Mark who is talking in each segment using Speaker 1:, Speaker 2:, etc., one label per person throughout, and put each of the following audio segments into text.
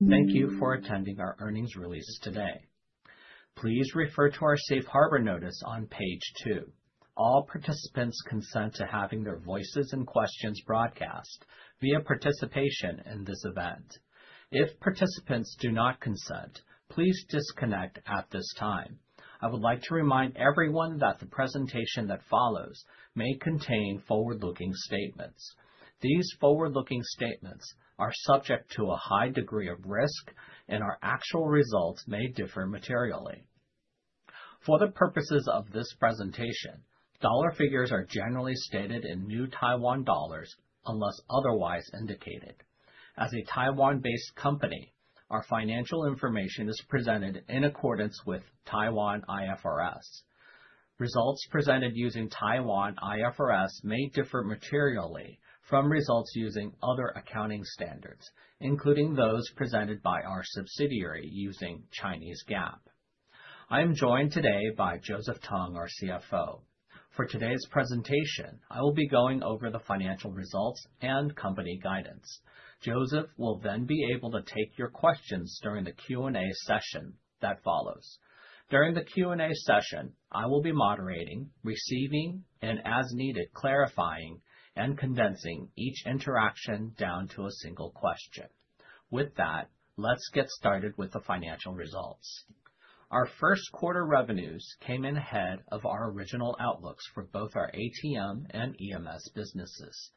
Speaker 1: Thank you for attending our earnings release today. Please refer to our Safe Harbor Notice on page two. All participants consent to having their voices and questions broadcast via participation in this event. If participants do not consent, please disconnect at this time. I would like to remind everyone that the presentation that follows may contain forward-looking statements. These forward-looking statements are subject to a high degree of risk, and our actual results may differ materially. For the purposes of this presentation, dollar figures are generally stated in TWD unless otherwise indicated. As a Taiwan-based company, our financial information is presented in accordance with Taiwan IFRS. Results presented using Taiwan IFRS may differ materially from results using other accounting standards, including those presented by our subsidiary using Chinese GAAP. I am joined today by Joseph Tung, our CFO. For today's presentation, I will be going over the financial results and company guidance. Joseph will then be able to take your questions during the Q&A session that follows. During the Q&A session, I will be moderating, receiving, and as needed, clarifying and condensing each interaction down to a single question. With that, let's get started with the financial results. Our first quarter revenues came in ahead of our original outlooks for both our ATM and EMS businesses.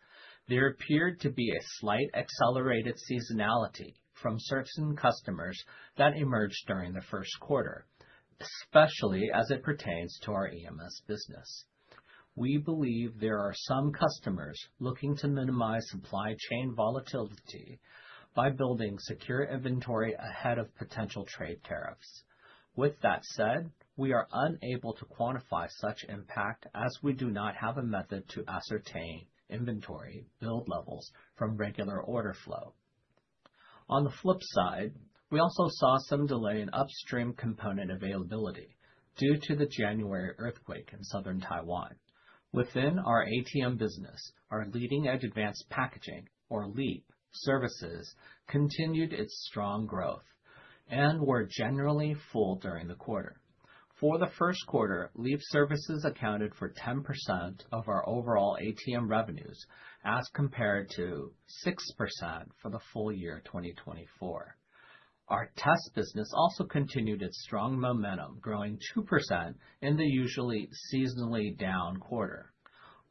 Speaker 1: There appeared to be a slight accelerated seasonality from certain customers that emerged during the first quarter, especially as it pertains to our EMS business. We believe there are some customers looking to minimize supply chain volatility by building secure inventory ahead of potential trade tariffs. With that said, we are unable to quantify such impact as we do not have a method to ascertain inventory build levels from regular order flow. On the flip side, we also saw some delay in upstream component availability due to the January earthquake in southern Taiwan. Within our ATM business, our leading-edge advanced packaging, or LEAP, services continued its strong growth and were generally full during the quarter. For the first quarter, LEAP services accounted for 10% of our overall ATM revenues as compared to 6% for the full year 2024. Our test business also continued its strong momentum, growing 2% in the usually seasonally down quarter.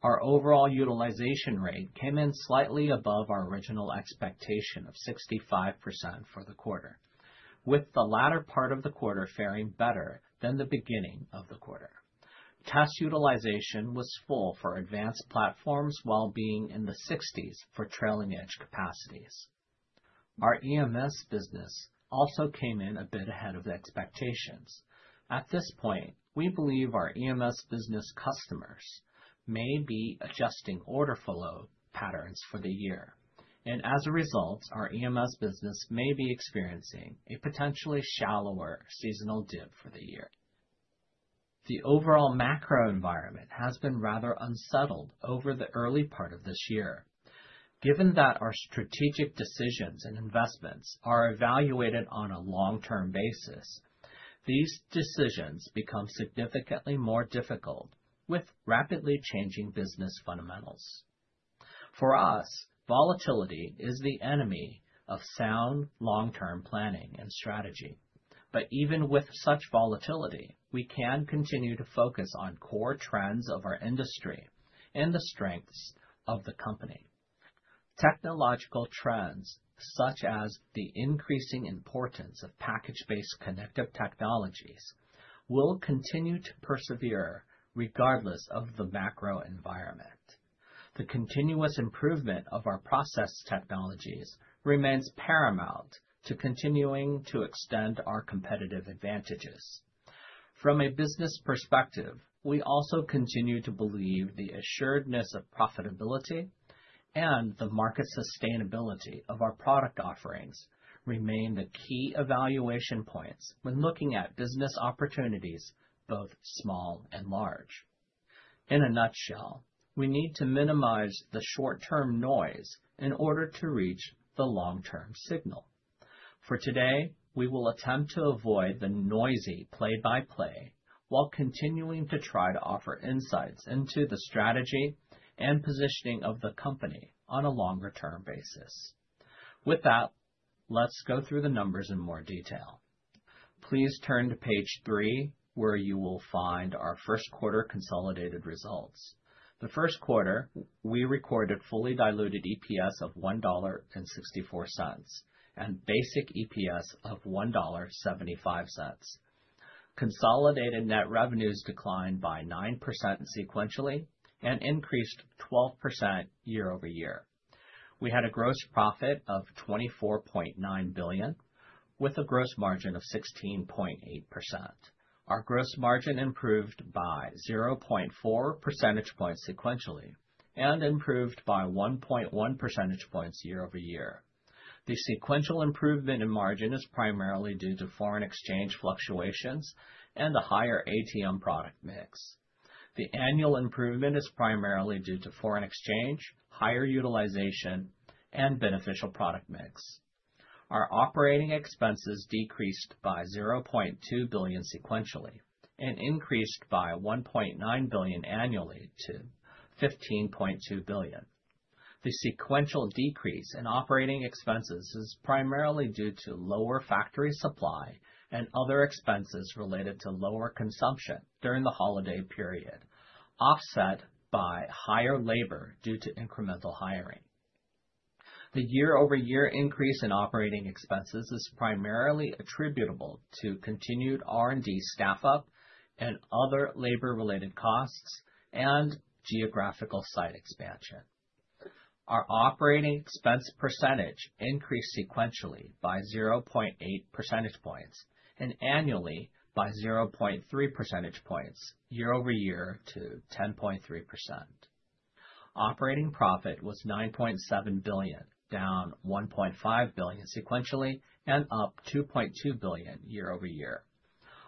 Speaker 1: Our overall utilization rate came in slightly above our original expectation of 65% for the quarter, with the latter part of the quarter faring better than the beginning of the quarter. Test utilization was full for advanced platforms while being in the 60s for trailing-edge capacities. Our EMS business also came in a bit ahead of expectations. At this point, we believe our EMS business customers may be adjusting order flow patterns for the year, and as a result, our EMS business may be experiencing a potentially shallower seasonal dip for the year. The overall macro environment has been rather unsettled over the early part of this year. Given that our strategic decisions and investments are evaluated on a long-term basis, these decisions become significantly more difficult with rapidly changing business fundamentals. For us, volatility is the enemy of sound long-term planning and strategy. Even with such volatility, we can continue to focus on core trends of our industry and the strengths of the company. Technological trends, such as the increasing importance of package-based connective technologies, will continue to persevere regardless of the macro environment. The continuous improvement of our process technologies remains paramount to continuing to extend our competitive advantages. From a business perspective, we also continue to believe the assuredness of profitability and the market sustainability of our product offerings remain the key evaluation points when looking at business opportunities, both small and large. In a nutshell, we need to minimize the short-term noise in order to reach the long-term signal. For today, we will attempt to avoid the noisy play-by-play while continuing to try to offer insights into the strategy and positioning of the company on a longer-term basis. With that, let's go through the numbers in more detail. Please turn to page three, where you will find our first quarter consolidated results. The first quarter, we recorded fully diluted EPS of $1.64 and basic EPS of $1.75. Consolidated net revenues declined by 9% sequentially and increased 12% year over year. We had a gross profit of 24.9 billion, with a gross margin of 16.8%. Our gross margin improved by 0.4 percentage points sequentially and improved by 1.1 percentage points year over year. The sequential improvement in margin is primarily due to foreign exchange fluctuations and the higher ATM product mix. The annual improvement is primarily due to foreign exchange, higher utilization, and beneficial product mix. Our operating expenses decreased by 0.2 billion sequentially and increased by 1.9 billion annually to 15.2 billion. The sequential decrease in operating expenses is primarily due to lower factory supply and other expenses related to lower consumption during the holiday period, offset by higher labor due to incremental hiring. The year-over-year increase in operating expenses is primarily attributable to continued R&D staff-up and other labor-related costs and geographical site expansion. Our operating expense percentage increased sequentially by 0.8 percentage points and annually by 0.3 percentage points year over year to 10.3%. Operating profit was 9.7 billion, down 1.5 billion sequentially and up 2.2 billion year over year.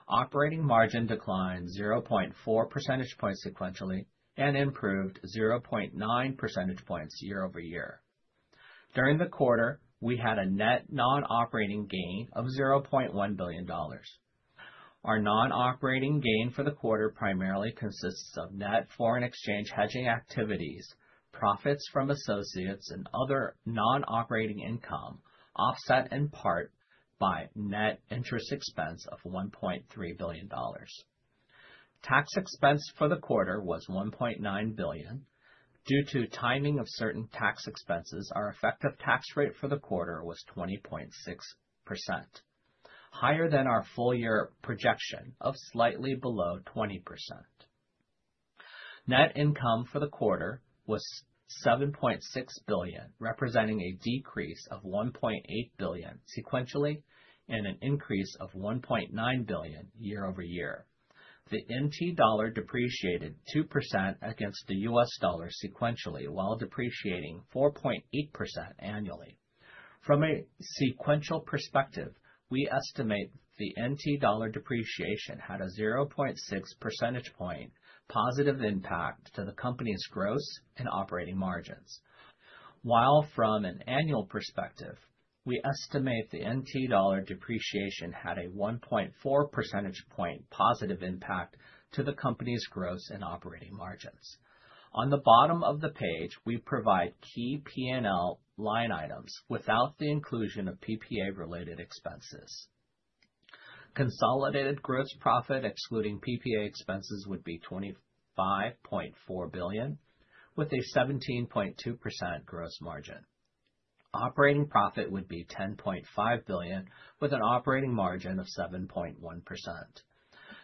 Speaker 1: Operating margin declined 0.4 percentage points sequentially and improved 0.9 percentage points year over year. During the quarter, we had a net non-operating gain of $0.1 billion. Our non-operating gain for the quarter primarily consists of net foreign exchange hedging activities, profits from associates, and other non-operating income offset in part by net interest expense of $1.3 billion. Tax expense for the quarter was 1.9 billion. Due to timing of certain tax expenses, our effective tax rate for the quarter was 20.6%, higher than our full-year projection of slightly below 20%. Net income for the quarter was $7.6 billion, representing a decrease of $1.8 billion sequentially and an increase of 1.9 billion year over year. The NT dollar depreciated 2% against the US dollar sequentially while depreciating 4.8% annually. From a sequential perspective, we estimate the NT dollar depreciation had a 0.6 percentage point positive impact to the company's gross and operating margins. While from an annual perspective, we estimate the NT dollar depreciation had a 1.4 percentage point positive impact to the company's gross and operating margins. On the bottom of the page, we provide key P&L line items without the inclusion of PPA-related expenses. Consolidated gross profit excluding PPA expenses would be 25.4 billion, with a 17.2% gross margin. Operating profit would be 10.5 billion, with an operating margin of 7.1%.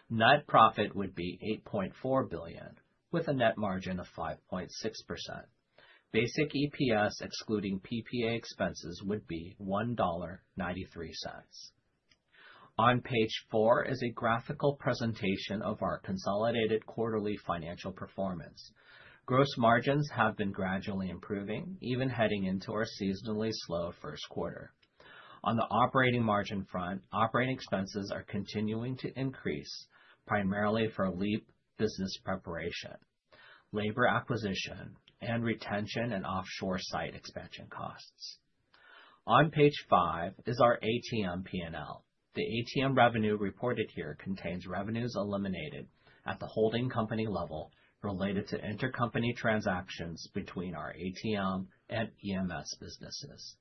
Speaker 1: Net profit would be 8.4 billion, with a net margin of 5.6%. Basic EPS excluding PPA expenses would be $1.93. On page four is a graphical presentation of our consolidated quarterly financial performance. Gross margins have been gradually improving, even heading into our seasonally slow first quarter. On the operating margin front, operating expenses are continuing to increase, primarily for LEAP business preparation, labor acquisition, and retention and offshore site expansion costs. On page five is our ATM P&L. The ATM revenue reported here contains revenues eliminated at the holding company level related to intercompany transactions between our ATM and EMS businesses.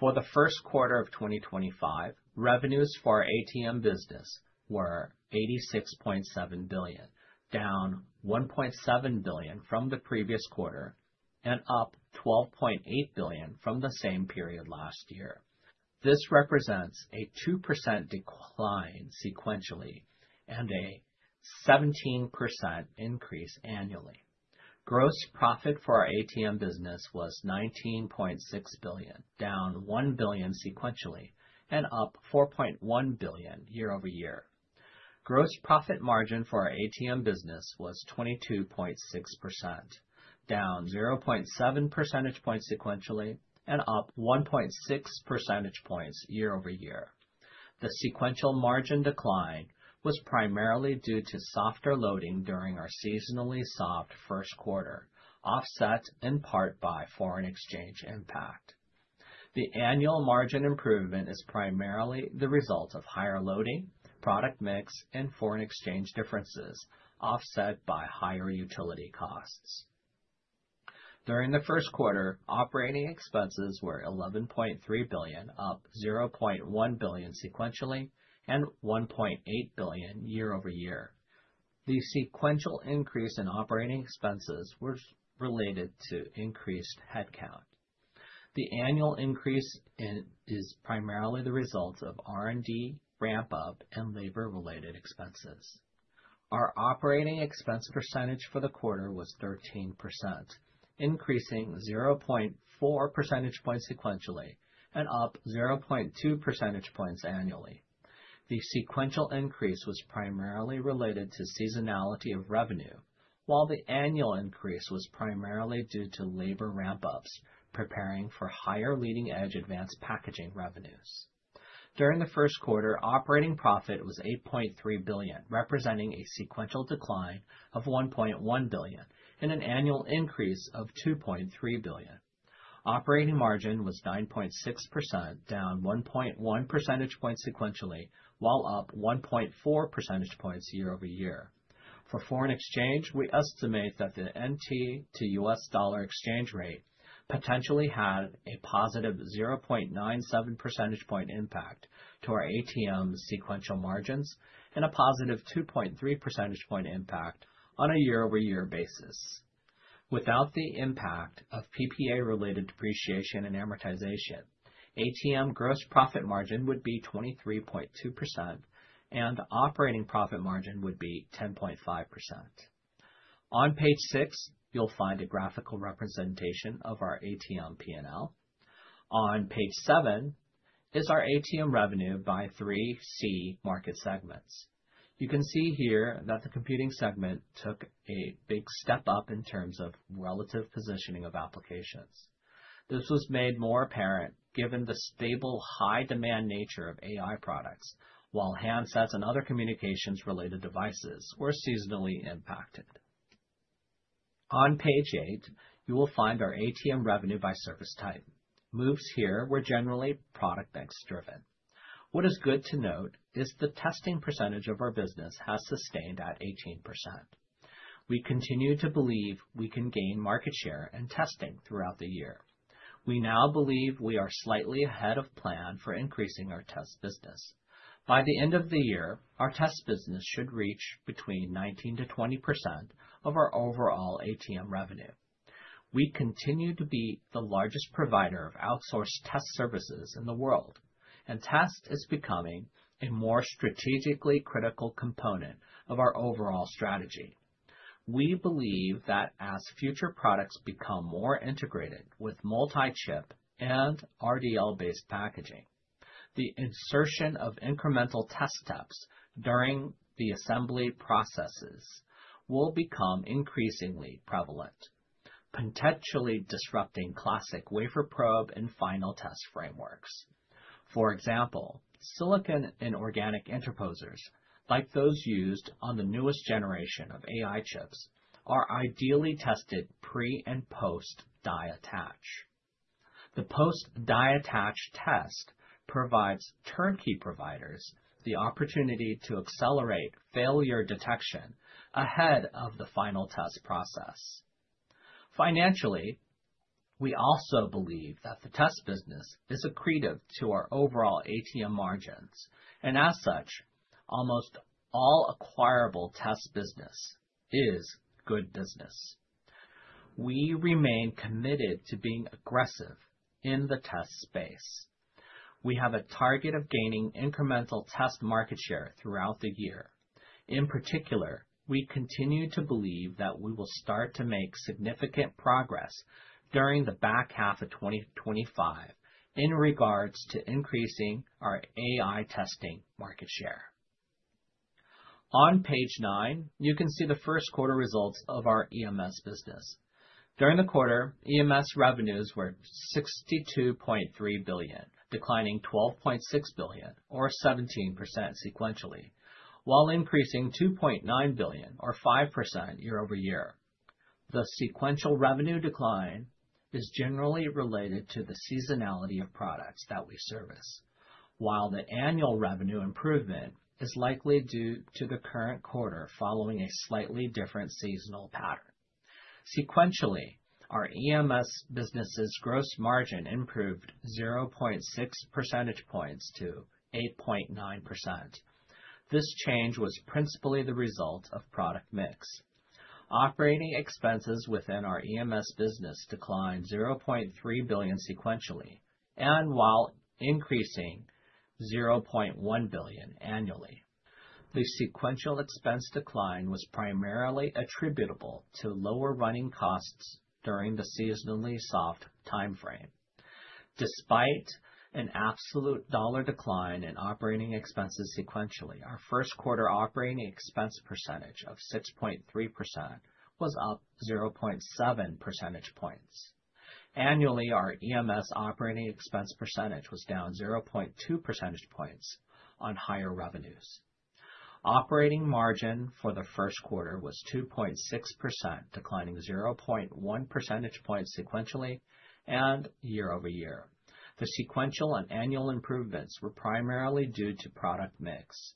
Speaker 1: For the first quarter of 2025, revenues for our ATM business were 86.7 billion, down 1.7 billion from the previous quarter and up 12.8 billion from the same period last year. This represents a 2% decline sequentially and a 17% increase annually. Gross profit for our ATM business was 19.6 billion, down 1 billion sequentially and up 4.1 billion year over year. Gross profit margin for our ATM business was 22.6%, down 0.7 percentage points sequentially and up 1.6 percentage points year over year. The sequential margin decline was primarily due to softer loading during our seasonally soft first quarter, offset in part by foreign exchange impact. The annual margin improvement is primarily the result of higher loading, product mix, and foreign exchange differences offset by higher utility costs. During the first quarter, operating expenses were 11.3 billion, up 0.1 billion sequentially, and 1.8 billion year over year. The sequential increase in operating expenses was related to increased headcount. The annual increase is primarily the result of R&D ramp-up and labor-related expenses. Our operating expense percentage for the quarter was 13%, increasing 0.4 percentage points sequentially and up 0.2 percentage points annually. The sequential increase was primarily related to seasonality of revenue, while the annual increase was primarily due to labor ramp-ups preparing for higher leading-edge advanced packaging revenues. During the first quarter, operating profit was 8.3 billion, representing a sequential decline of 1.1 billion and an annual increase of 2.3 billion. Operating margin was 9.6%, down 1.1 percentage points sequentially, while up 1.4 percentage points year over year. For foreign exchange, we estimate that the NT to US dollar exchange rate potentially had a positive 0.97 percentage point impact to our ATM sequential margins and a positive 2.3 percentage point impact on a year-over-year basis. Without the impact of PPA-related depreciation and amortization, ATM gross profit margin would be 23.2%, and operating profit margin would be 10.5%. On page six, you'll find a graphical representation of our ATM P&L. On page seven is our ATM revenue by 3C market segments. You can see here that the computing segment took a big step up in terms of relative positioning of applications. This was made more apparent given the stable high-demand nature of AI products, while handsets and other communications-related devices were seasonally impacted. On page eight, you will find our ATM revenue by service type. Moves here were generally product-mix driven. What is good to note is the testing percentage of our business has sustained at 18%. We continue to believe we can gain market share and testing throughout the year. We now believe we are slightly ahead of plan for increasing our test business. By the end of the year, our test business should reach between 19%-20% of our overall ATM revenue. We continue to be the largest provider of outsourced test services in the world, and test is becoming a more strategically critical component of our overall strategy. We believe that as future products become more integrated with multi-chip and RDL-based packaging, the insertion of incremental test steps during the assembly processes will become increasingly prevalent, potentially disrupting classic wafer probe and final test frameworks. For example, silicon and organic interposers, like those used on the newest generation of AI chips, are ideally tested pre and post-die attach. The post-die attach test provides turnkey providers the opportunity to accelerate failure detection ahead of the final test process. Financially, we also believe that the test business is accretive to our overall ATM margins, and as such, almost all acquirable test business is good business. We remain committed to being aggressive in the test space. We have a target of gaining incremental test market share throughout the year. In particular, we continue to believe that we will start to make significant progress during the back half of 2025 in regards to increasing our AI testing market share. On page nine, you can see the first quarter results of our EMS business. During the quarter, EMS revenues were 62.3 billion, declining 12.6 billion, or 17% sequentially, while increasing 2.9 billion, or 5% year over year. The sequential revenue decline is generally related to the seasonality of products that we service, while the annual revenue improvement is likely due to the current quarter following a slightly different seasonal pattern. Sequentially, our EMS business's gross margin improved 0.6 percentage points to 8.9%. This change was principally the result of product mix. Operating expenses within our EMS business declined 0.3 billion sequentially and while increasing 0.1 billion annually. The sequential expense decline was primarily attributable to lower running costs during the seasonally soft timeframe. Despite an absolute dollar decline in operating expenses sequentially, our first quarter operating expense percentage of 6.3% was up 0.7 percentage points. Annually, our EMS operating expense percentage was down 0.2 percentage points on higher revenues. Operating margin for the first quarter was 2.6%, declining 0.1 percentage points sequentially and year over year. The sequential and annual improvements were primarily due to product mix.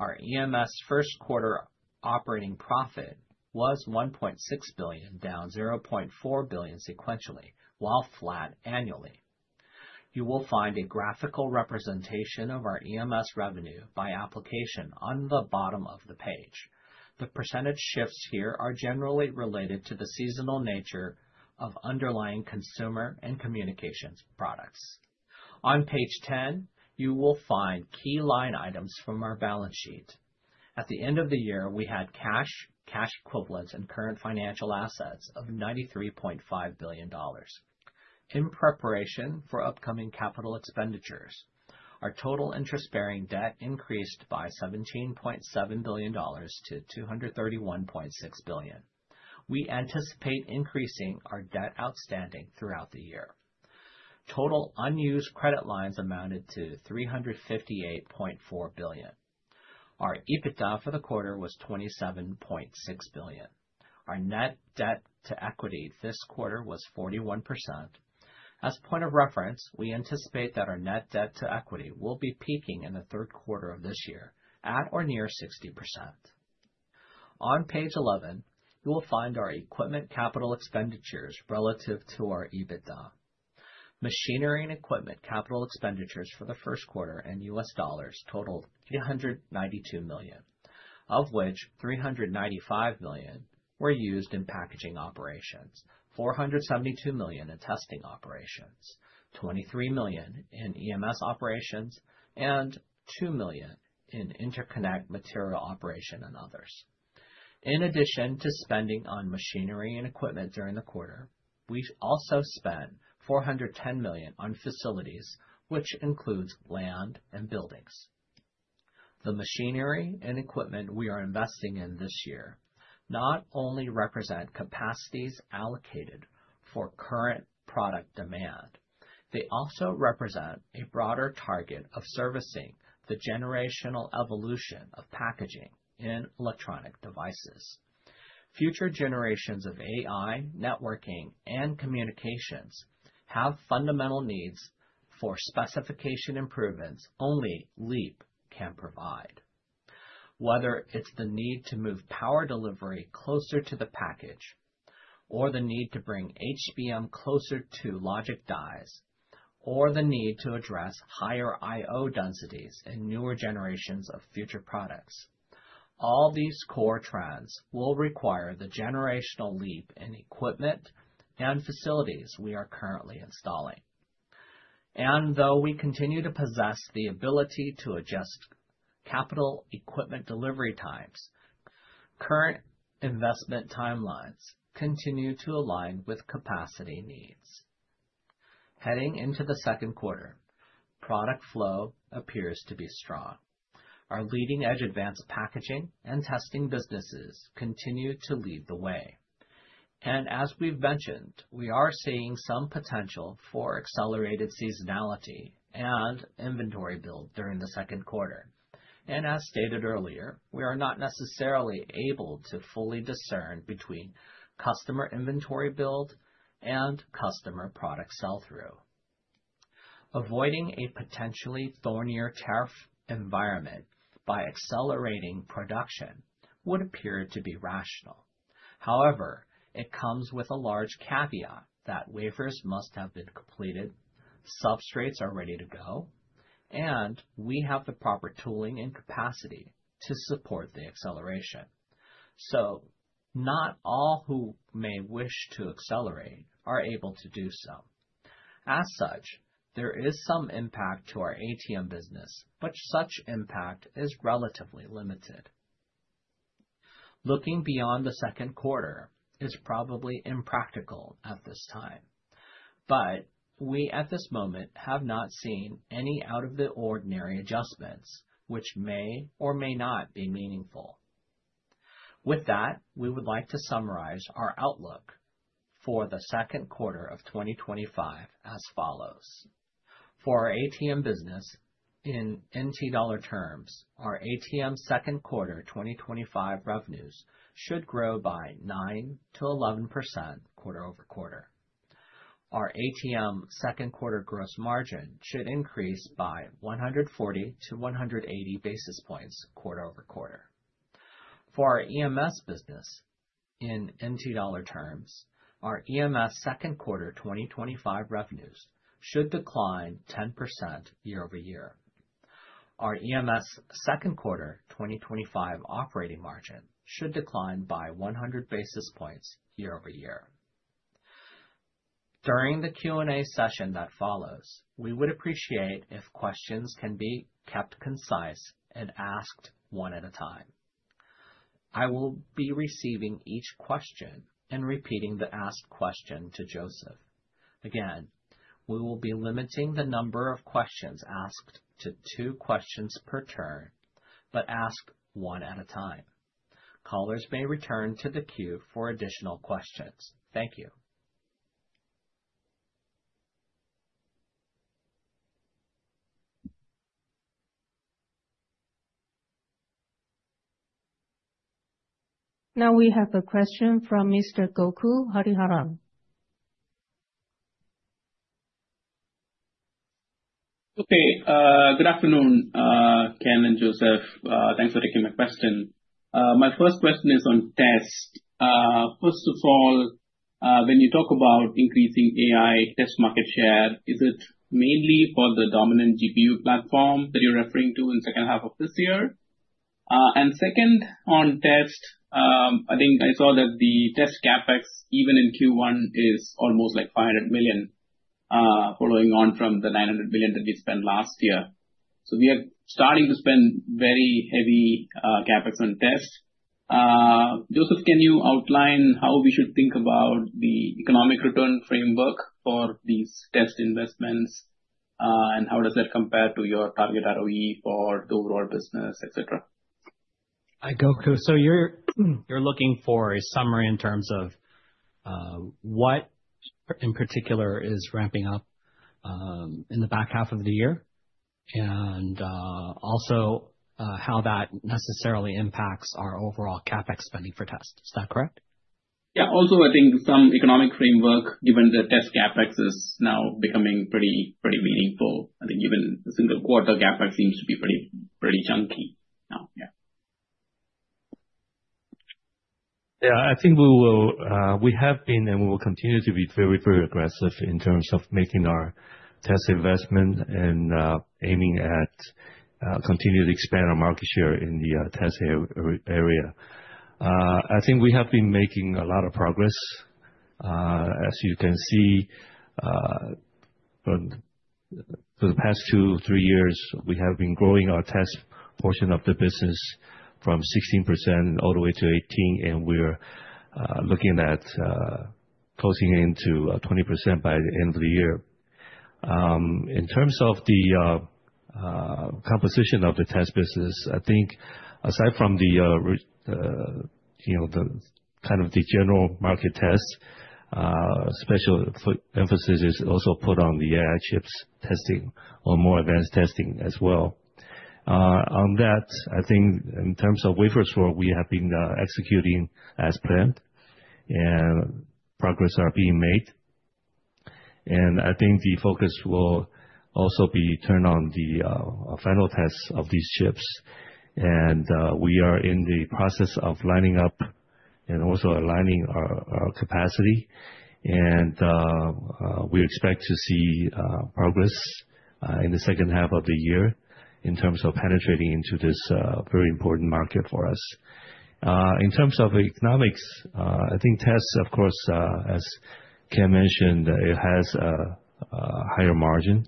Speaker 1: Our EMS first quarter operating profit was 1.6 billion, down 0.4 billion sequentially, while flat annually. You will find a graphical representation of our EMS revenue by application on the bottom of the page. The percentage shifts here are generally related to the seasonal nature of underlying consumer and communications products. On page ten, you will find key line items from our balance sheet. At the end of the year, we had cash, cash equivalents, and current financial assets of $93.5 billion. In preparation for upcoming capital expenditures, our total interest-bearing debt increased by $17.7 billion to $231.6 billion. We anticipate increasing our debt outstanding throughout the year. Total unused credit lines amounted to $358.4 billion. Our EBITDA for the quarter was $27.6 billion. Our net debt to equity this quarter was 41%. As a point of reference, we anticipate that our net debt to equity will be peaking in the third quarter of this year at or near 60%. On page 11, you will find our equipment capital expenditures relative to our EBITDA. Machinery and equipment capital expenditures for the first quarter in US dollars totaled $892 million, of which $395 million were used in packaging operations, $472 million in testing operations, $23 million in EMS operations, and $2 million in interconnect material operation and others. In addition to spending on machinery and equipment during the quarter, we also spent $410 million on facilities, which includes land and buildings. The machinery and equipment we are investing in this year not only represent capacities allocated for current product demand, they also represent a broader target of servicing the generational evolution of packaging and electronic devices. Future generations of AI, networking, and communications have fundamental needs for specification improvements only LEAP can provide. Whether it's the need to move power delivery closer to the package, or the need to bring HBM closer to logic dies, or the need to address higher IO densities and newer generations of future products, all these core trends will require the generational leap in equipment and facilities we are currently installing. Though we continue to possess the ability to adjust capital equipment delivery times, current investment timelines continue to align with capacity needs. Heading into the second quarter, product flow appears to be strong. Our leading-edge advanced packaging and testing businesses continue to lead the way. As we've mentioned, we are seeing some potential for accelerated seasonality and inventory build during the second quarter. As stated earlier, we are not necessarily able to fully discern between customer inventory build and customer product sell-through. Avoiding a potentially thornier tariff environment by accelerating production would appear to be rational. However, it comes with a large caveat that wafers must have been completed, substrates are ready to go, and we have the proper tooling and capacity to support the acceleration. Not all who may wish to accelerate are able to do so. As such, there is some impact to our ATM business, but such impact is relatively limited. Looking beyond the second quarter is probably impractical at this time, but we at this moment have not seen any out-of-the-ordinary adjustments, which may or may not be meaningful. With that, we would like to summarize our outlook for the second quarter of 2025 as follows. For our ATM business, in TWD terms, our ATM second quarter 2025 revenues should grow by 9%-11% quarter over quarter. Our ATM second quarter gross margin should increase by 140-180 basis points quarter over quarter. For our EMS business, in TWD terms, our EMS second quarter 2025 revenues should decline 10% year over year. Our EMS second quarter 2025 operating margin should decline by 100 basis points year over year. During the Q&A session that follows, we would appreciate if questions can be kept concise and asked one at a time. I will be receiving each question and repeating the asked question to Joseph. Again, we will be limiting the number of questions asked to two questions per turn, but ask one at a time. Callers may return to the queue for additional questions. Thank you.
Speaker 2: Now we have a question from Mr. Gokul Hariharan.
Speaker 3: Okay, good afternoon, Ken and Joseph. Thanks for taking my question. My first question is on tests. First of all, when you talk about increasing AI test market share, is it mainly for the dominant GPU platform that you're referring to in the second half of this year? Second, on tests, I think I saw that the test CapEx, even in Q1, is almost like $500 million following on from the $900 million that we spent last year. We are starting to spend very heavy CapEx on tests. Joseph, can you outline how we should think about the economic return framework for these test investments, and how does that compare to your target ROE for the overall business, etc.?
Speaker 1: Hi, Goku. You are looking for a summary in terms of what in particular is ramping up in the back half of the year and also how that necessarily impacts our overall CapEx spending for tests. Is that correct? Yeah.
Speaker 3: Also, I think some economic framework, given the test CapEx, is now becoming pretty meaningful. I think even a single quarter CapEx seems to be pretty junky. Yeah.
Speaker 4: Yeah, I think we will, we have been and we will continue to be very, very aggressive in terms of making our test investment and aiming at continuing to expand our market share in the test area. I think we have been making a lot of progress. As you can see, for the past two, three years, we have been growing our test portion of the business from 16% all the way to 18%, and we're looking at closing into 20% by the end of the year. In terms of the composition of the test business, I think aside from the kind of the general market tests, special emphasis is also put on the AI chips testing or more advanced testing as well. On that, I think in terms of wafer sort, we have been executing as planned, and progress is being made. I think the focus will also be turned on the final tests of these chips. We are in the process of lining up and also aligning our capacity. We expect to see progress in the second half of the year in terms of penetrating into this very important market for us. In terms of economics, I think tests, of course, as Ken mentioned, it has a higher margin.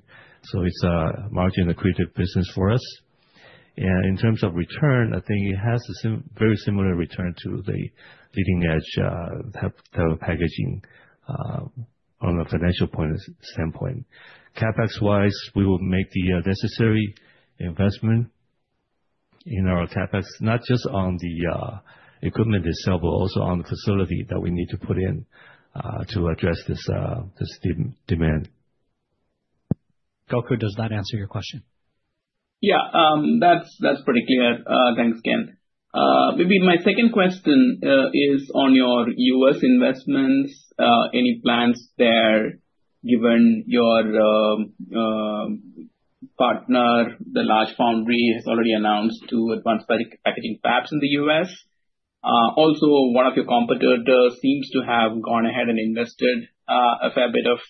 Speaker 4: It is a margin-accretive business for us. In terms of return, I think it has a very similar return to the leading-edge type of packaging from a financial point of standpoint. CapEx-wise, we will make the necessary investment in our CapEx, not just on the equipment itself, but also on the facility that we need to put in to address this demand.
Speaker 1: Gokul does that answer your question?
Speaker 3: Yeah, that's pretty clear. Thanks, Ken. Maybe my second question is on your U.S. investments. Any plans there, given your partner, the large foundry, has already announced to advance packaging fabs in the U.S.? Also, one of your competitors seems to have gone ahead and invested a fair bit of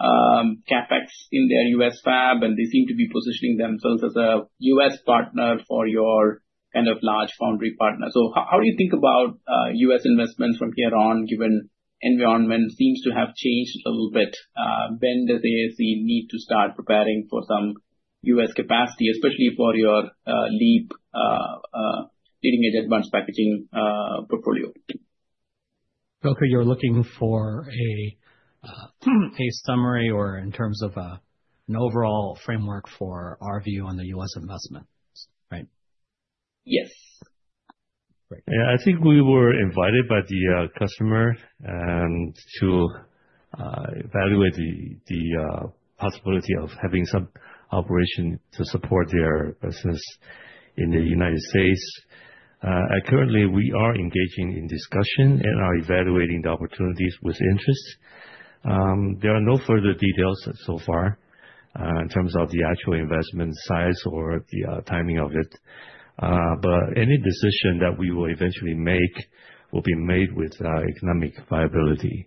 Speaker 3: CapEx in their U.S. fab, and they seem to be positioning themselves as a U.S. partner for your kind of large foundry partner. How do you think about U.S. investments from here on, given the environment seems to have changed a little bit? When does ASE need to start preparing for some U.S. capacity, especially for your LEAP leading-edge advanced packaging portfolio? Hh
Speaker 1: Goku, you're looking for a summary or in terms of an overall framework for our view on the U.S. investment, right?
Speaker 3: Yes.
Speaker 4: Yeah, I think we were invited by the customer to evaluate the possibility of having some operation to support their business in the United States. Currently, we are engaging in discussion and are evaluating the opportunities with interest. There are no further details so far in terms of the actual investment size or the timing of it. Any decision that we will eventually make will be made with economic viability.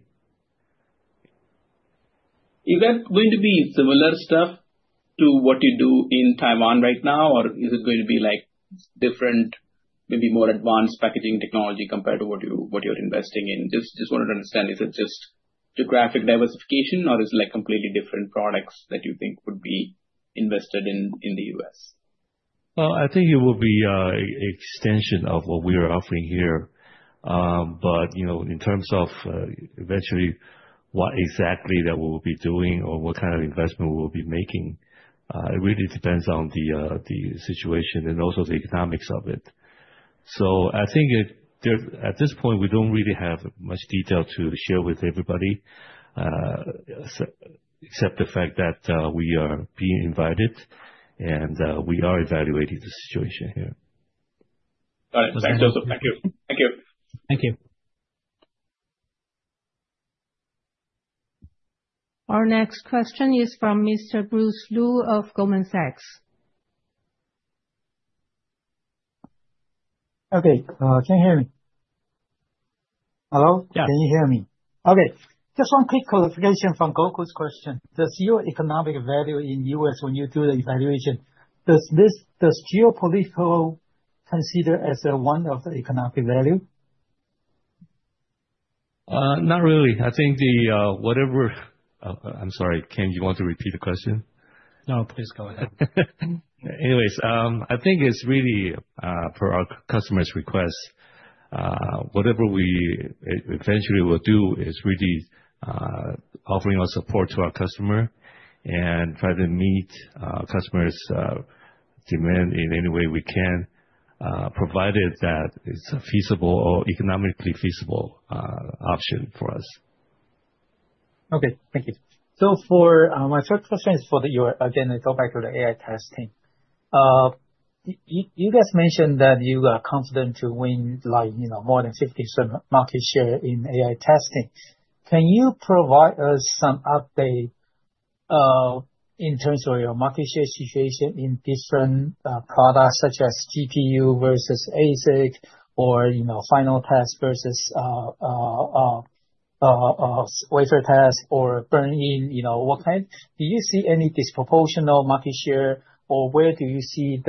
Speaker 3: Is that going to be similar stuff to what you do in Taiwan right now, or is it going to be different, maybe more advanced packaging technology compared to what you're investing in? Just wanted to understand, is it just geographic diversification, or is it completely different products that you think would be invested in the U.S.?
Speaker 4: I think it will be an extension of what we are offering here. In terms of eventually what exactly that we will be doing or what kind of investment we will be making, it really depends on the situation and also the economics of it. I think at this point, we don't really have much detail to share with everybody, except the fact that we are being invited and we are evaluating the situation here.
Speaker 3: All right. Thank you, Joseph. Thank you. Thank you.
Speaker 1: Thank you.
Speaker 2: Our next question is from Mr. Bruce Lu of Goldman Sachs.
Speaker 5: Okay. Can you hear me? Hello?
Speaker 1: Yeah.
Speaker 5: Can you hear me? Okay. Just one quick clarification from Goku's question. Does your economic value in the U.S., when you do the evaluation, does geopolitical consider as one of the economic value?
Speaker 4: Not really. I think the whatever, I'm sorry, Ken, you want to repeat the question?
Speaker 1: No, please go ahead.
Speaker 4: Anyways, I think it's really for our customer's request. Whatever we eventually will do is really offering our support to our customer and try to meet customers' demand in any way we can, provided that it's a feasible or economically feasible option for us.
Speaker 5: Okay. Thank you. My third question is for you. Again, I go back to the AI testing. You guys mentioned that you are confident to win more than 50% market share in AI testing. Can you provide us some update in terms of your market share situation in different products such as GPU versus ASIC or final test versus wafer test or burn-in? What kind? Do you see any disproportional market share, or where do you see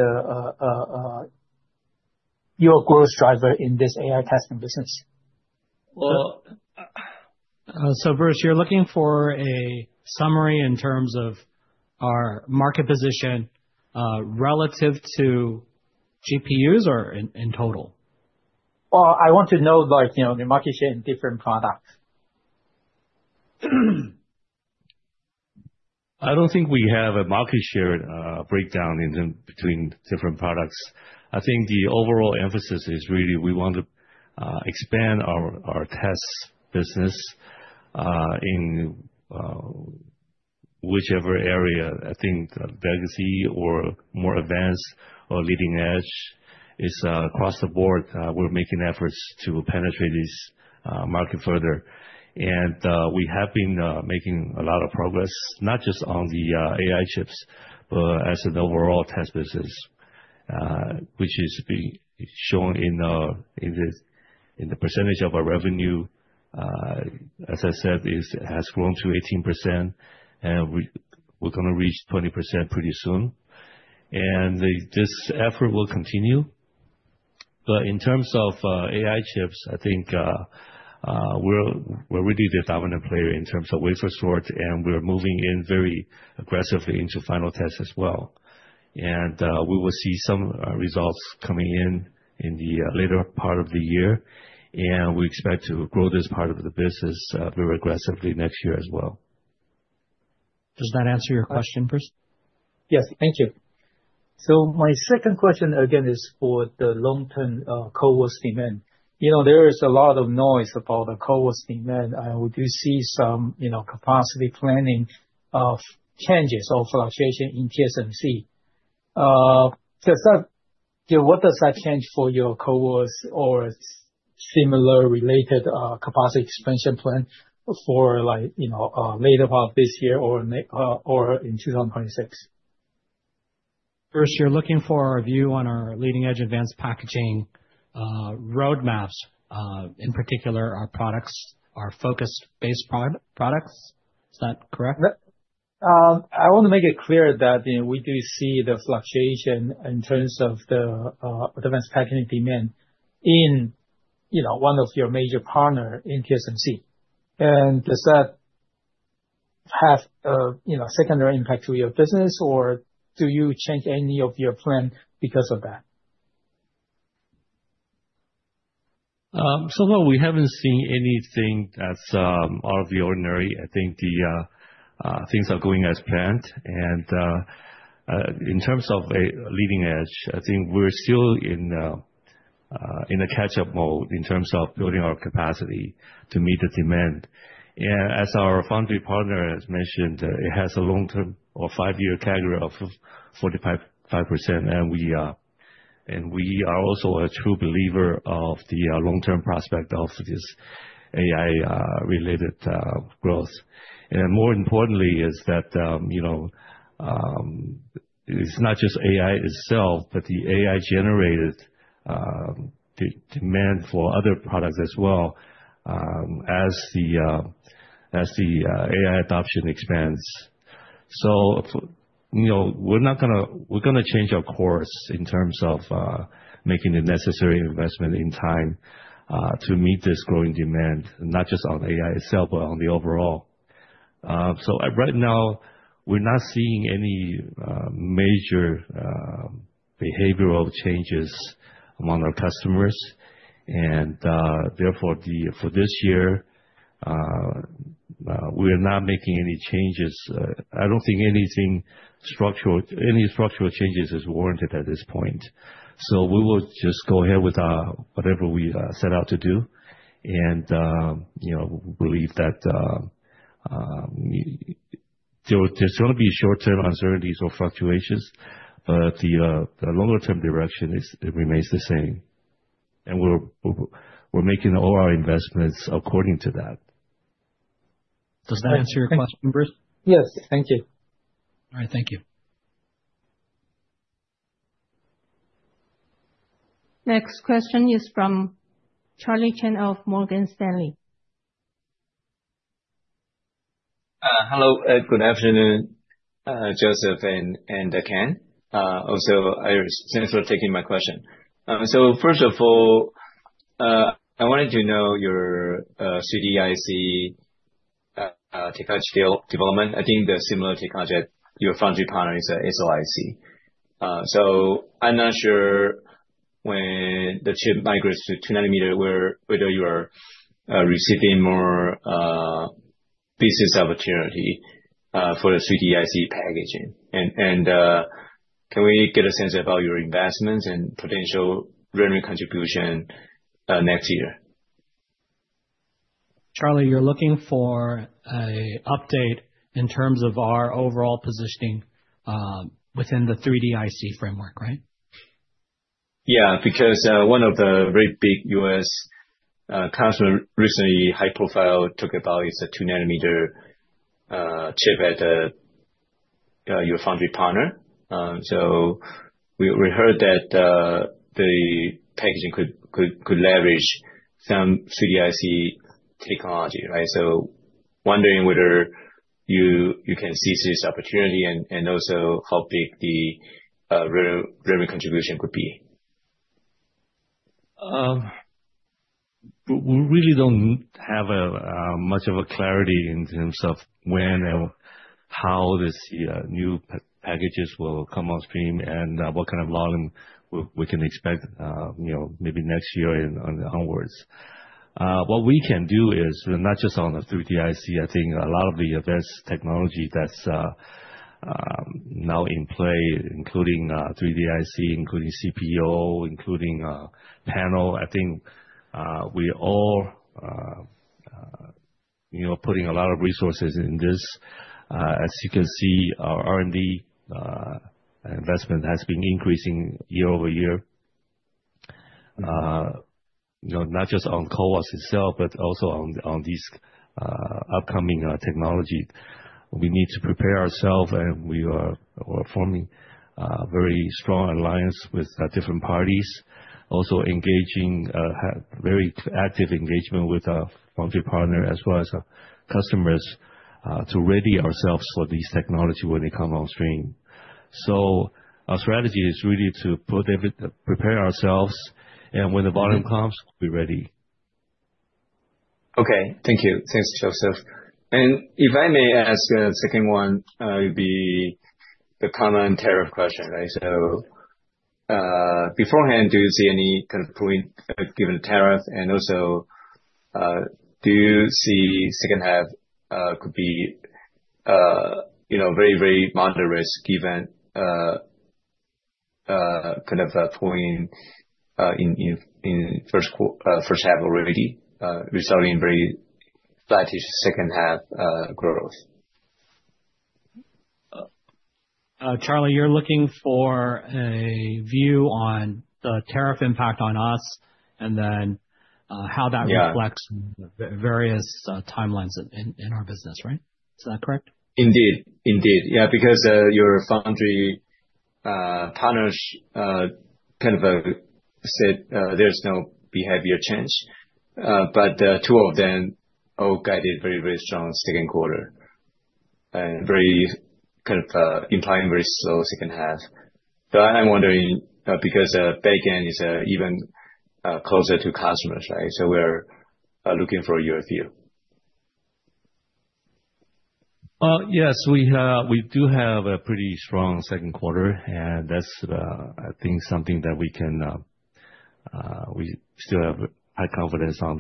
Speaker 5: your growth driver in this AI testing business?
Speaker 1: Bruce, you're looking for a summary in terms of our market position relative to GPUs or in total?
Speaker 5: I want to know the market share in different products.
Speaker 4: I do not think we have a market share breakdown between different products. I think the overall emphasis is really we want to expand our test business in whichever area. I think legacy or more advanced or leading edge is across the board. We are making efforts to penetrate this market further. We have been making a lot of progress, not just on the AI chips, but as an overall test business, which is being shown in the percentage of our revenue. As I said, it has grown to 18%, and we're going to reach 20% pretty soon. This effort will continue. In terms of AI chips, I think we're really the dominant player in terms of wafer sort, and we're moving in very aggressively into final tests as well. We will see some results coming in in the later part of the year. We expect to grow this part of the business very aggressively next year as well.
Speaker 1: Does that answer your question, Bruce?
Speaker 5: Yes. Thank you. My second question, again, is for the long-term CoWoS demand. There is a lot of noise about the CoWoS demand. We do see some capacity planning changes or fluctuation in TSMC. What does that change for your CoWoS or similar related capacity expansion plan for the later part of this year or in 2026?
Speaker 1: Bruce, you're looking for our view on our leading-edge advanced packaging roadmaps. In particular, our products are focused-based products. Is that correct?
Speaker 5: I want to make it clear that we do see the fluctuation in terms of the advanced packaging demand in one of your major partners in TSMC. Does that have a secondary impact to your business, or do you change any of your plan because of that?
Speaker 4: So far, we have not seen anything that's out of the ordinary. I think things are going as planned. In terms of leading edge, I think we're still in a catch-up mode in terms of building our capacity to meet the demand. Our foundry partner has mentioned it has a long-term or five-year category of 45%. We are also a true believer of the long-term prospect of this AI-related growth. More importantly, it is not just AI itself, but the AI-generated demand for other products as the AI adoption expands. We are going to change our course in terms of making the necessary investment in time to meet this growing demand, not just on AI itself, but on the overall. Right now, we are not seeing any major behavioral changes among our customers. Therefore, for this year, we are not making any changes. I do not think any structural changes are warranted at this point. We will just go ahead with whatever we set out to do. We believe that there's going to be short-term uncertainties or fluctuations, but the longer-term direction remains the same. We're making all our investments according to that.
Speaker 1: Does that answer your question, Bruce?
Speaker 5: Yes. Thank you.
Speaker 1: All right. Thank you.
Speaker 2: Next question is from Charlie Chan of Morgan Stanley.
Speaker 6: Hello. Good afternoon, Joseph and Ken. Also, thanks for taking my question. First of all, I wanted to know your 3D IC technology development. I think the similar technology at your foundry partner is SoIC. I'm not sure when the chip migrates to 2 nanometers whether you are receiving more pieces of material for the 3D IC packaging. Can we get a sense about your investments and potential revenue contribution next year?
Speaker 1: Charlie, you're looking for an update in terms of our overall positioning within the 3D IC framework, right?
Speaker 6: Yeah, because one of the very big U.S. customers recently, high-profile, took about is a 2-nanometer chip at your foundry partner. We heard that the packaging could leverage some 3D IC technology, right? I am wondering whether you can seize this opportunity and also how big the revenue contribution could be.
Speaker 4: We really do not have much of a clarity in terms of when and how these new packages will come on stream and what kind of volume we can expect maybe next year and onwards. What we can do is not just on the 3D IC. I think a lot of the advanced technology that is now in play, including 3D IC, including CPO, including panel, I think we are all putting a lot of resources in this. As you can see, our R&D investment has been increasing year over year, not just on CoWoS itself, but also on these upcoming technologies. We need to prepare ourselves, and we are forming a very strong alliance with different parties, also engaging very active engagement with our foundry partner as well as our customers to ready ourselves for this technology when they come on stream. Our strategy is really to prepare ourselves, and when the volume comes, we're ready.
Speaker 6: Okay. Thank you. Thanks, Joseph. If I may ask a second one, it would be the common tariff question, right? Beforehand, do you see any kind of point given tariff? Also, do you see second half could be very, very moderate given kind of a point in first half already resulting in very flat-ish second half growth?
Speaker 1: Charlie, you're looking for a view on the tariff impact on us and then how that reflects on various timelines in our business, right? Is that correct?
Speaker 6: Indeed. Indeed. Yeah, because your foundry partners kind of said there's no behavior change. Two of them all guided very, very strong second quarter and kind of implying very slow second half. I'm wondering because ASE is even closer to customers, right? We're looking for your view.
Speaker 4: Yes, we do have a pretty strong second quarter. That's, I think, something that we still have high confidence on.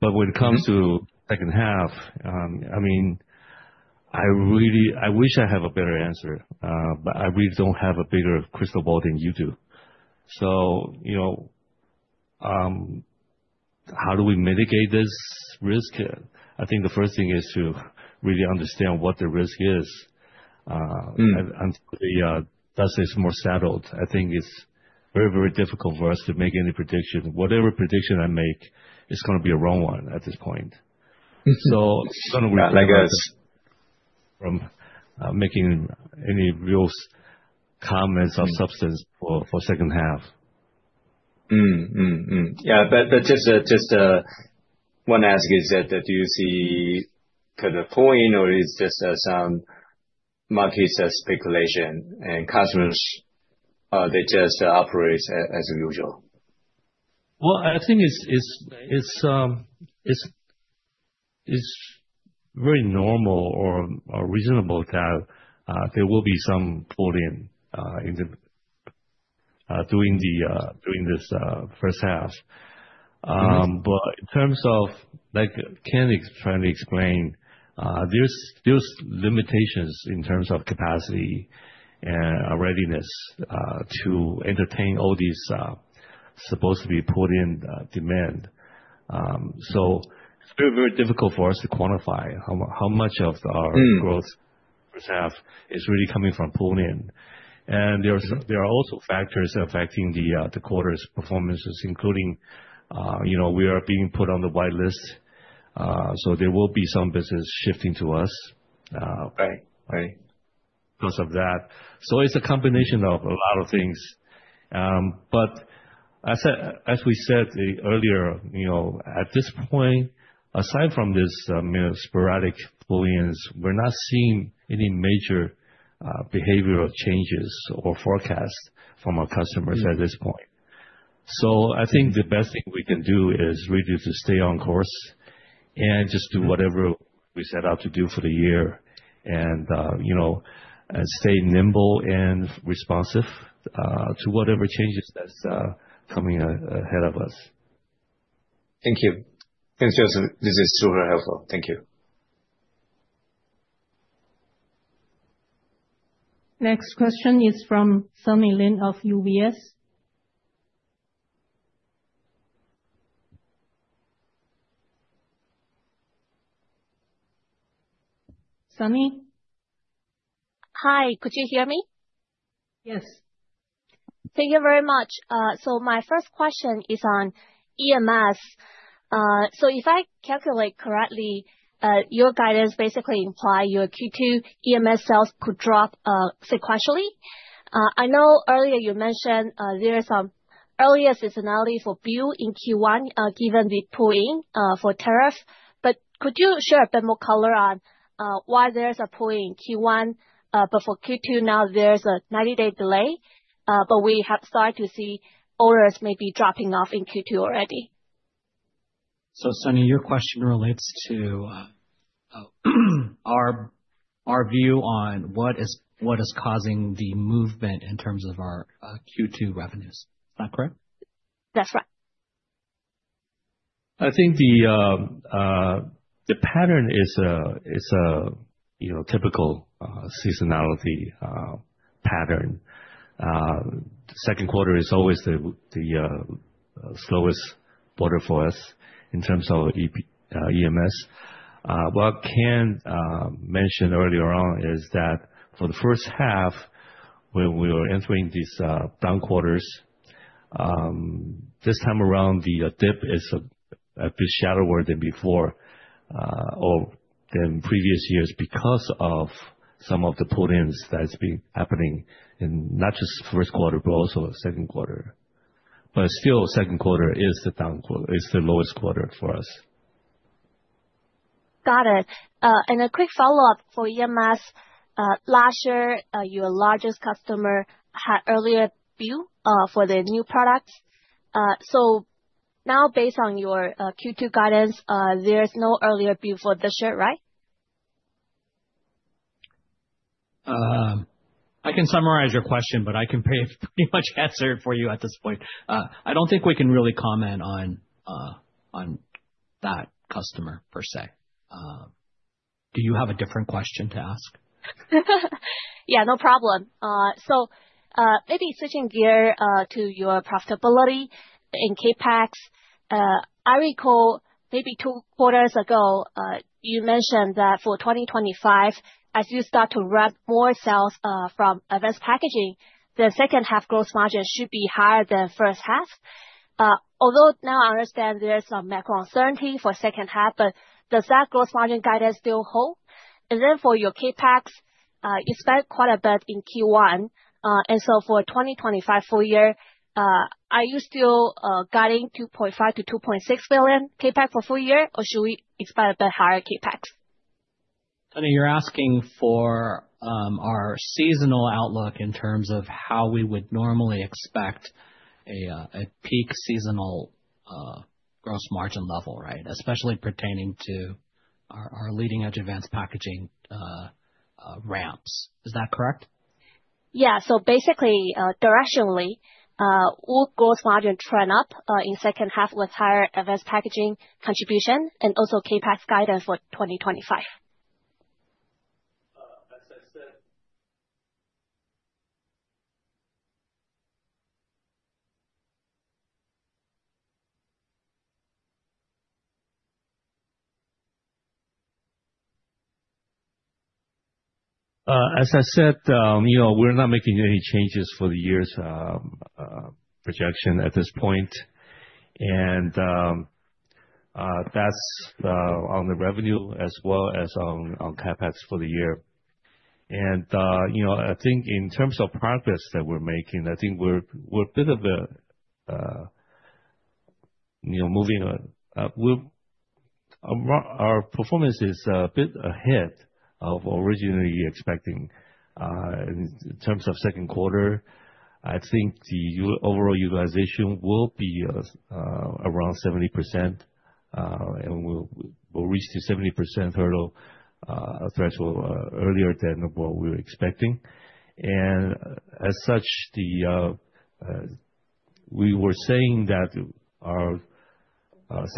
Speaker 4: When it comes to second half, I mean, I wish I had a better answer, but I really don't have a bigger crystal ball than you do. How do we mitigate this risk? I think the first thing is to really understand what the risk is until the dust is more settled. I think it's very, very difficult for us to make any prediction. Whatever prediction I make is going to be a wrong one at this point. It's going to require us from making any real comments of substance for second half.
Speaker 6: Yeah. Just one ask is that do you see kind of a point, or is this some market speculation? Customers, they just operate as usual.
Speaker 4: I think it's very normal or reasonable that there will be some pulling during this first half. In terms of, like Ken is trying to explain, there are limitations in terms of capacity and readiness to entertain all these supposedly pulling demand. It's very, very difficult for us to quantify how much of our growth first half is really coming from pulling. There are also factors affecting the quarter's performances, including we are being put on the whitelist. There will be some business shifting to us because of that. It's a combination of a lot of things. As we said earlier, at this point, aside from this sporadic pulling, we are not seeing any major behavioral changes or forecasts from our customers at this point. I think the best thing we can do is really to stay on course and just do whatever we set out to do for the year and stay nimble and responsive to whatever changes that are coming ahead of us.
Speaker 6: Thank you. Thanks, Joseph. This is super helpful.
Speaker 4: Thank you.
Speaker 2: Next question is from Sunny Lin of UBS. Sunny?
Speaker 7: Hi. Could you hear me?
Speaker 2: Yes.
Speaker 7: Thank you very much. My first question is on EMS. If I calculate correctly, your guidance basically implies your Q2 EMS sales could drop sequentially. I know earlier you mentioned there is some earlier seasonality for BU in Q1 given the pulling for tariff. Could you share a bit more color on why there is a pulling in Q1, but for Q2 now there is a 90-day delay, but we have started to see orders maybe dropping off in Q2 already?
Speaker 1: Sunny, your question relates to our view on what is causing the movement in terms of our Q2 revenues. Is that correct?
Speaker 7: That's right.
Speaker 4: I think the pattern is a typical seasonality pattern. Second quarter is always the slowest quarter for us in terms of EMS. What Ken mentioned earlier on is that for the first half, when we were entering these down quarters, this time around, the dip is a bit shallower than before or than previous years because of some of the pullings that have been happening in not just first quarter, but also second quarter. Still, second quarter is the lowest quarter for us.
Speaker 7: Got it. A quick follow-up for EMS. Last year, your largest customer had earlier BU for their new products. Based on your Q2 guidance, there is no earlier BU for this year, right?
Speaker 1: I can summarize your question, but I can pretty much answer it for you at this point. I do not think we can really comment on that customer per se. Do you have a different question to ask?
Speaker 7: Yeah, no problem. Maybe switching gear to your profitability in CapEx, I recall maybe two quarters ago, you mentioned that for 2025, as you start to ramp more sales from advanced packaging, the second half gross margin should be higher than first half. Although now I understand there is some macro uncertainty for second half, does that gross margin guidance still hold? For your CapEx, you spent quite a bit in Q1. For 2025 full year, are you still guiding $2.5 billion-$2.6 billion CapEx for full year, or should we expect a bit higher CapEx?
Speaker 1: Sunny, you're asking for our seasonal outlook in terms of how we would normally expect a peak seasonal gross margin level, right, especially pertaining to our leading-edge advanced packaging ramps. Is that correct?
Speaker 7: Yeah. Basically, directionally, will gross margin trend up in second half with higher advanced packaging contribution and also CapEx guidance for 2025?
Speaker 4: As I said, we're not making any changes for the year's projection at this point. That's on the revenue as well as on CapEx for the year. I think in terms of progress that we're making, I think our performance is a bit ahead of originally expecting. In terms of second quarter, I think the overall utilization will be around 70%, and we'll reach the 70% hurdle threshold earlier than what we were expecting. As such, we were saying that our